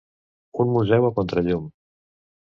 Un Museu a contrallum.